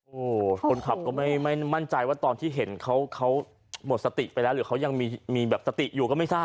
โอ้โหคนขับก็ไม่มั่นใจว่าตอนที่เห็นเขาหมดสติไปแล้วหรือเขายังมีแบบสติอยู่ก็ไม่ทราบ